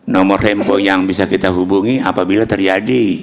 nomor tempo yang bisa kita hubungi apabila terjadi